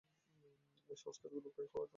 এই সংস্কারগুলির ক্ষয় হওয়া আবশ্যক।